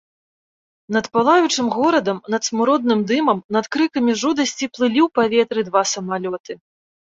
Над палаючым горадам, над смуродным дымам, над крыкамі жудасці плылі ў паветры два самалёты.